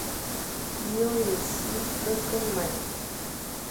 Yô ye si be ke man,